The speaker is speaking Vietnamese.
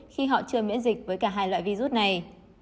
khi họ chưa miễn dịch với cả hai loại virus này